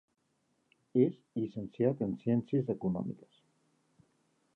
És llicenciat en Ciències Econòmiques.